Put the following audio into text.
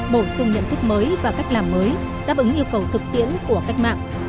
bổ sung nhận thức mới và cách làm mới đáp ứng yêu cầu thực tiễn của cách mạng